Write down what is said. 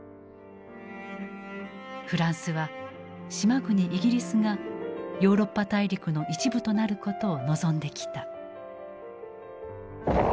フランスは島国イギリスがヨーロッパ大陸の一部となることを望んできた。